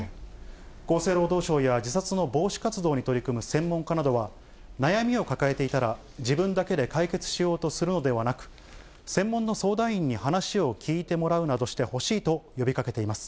厚生労働省や自殺の防止活動に取り組む専門家などは、悩みを抱えていたら、自分だけで解決しようとするのではなく、専門の相談員に話を聞いてもらうなどしてほしいと呼びかけています。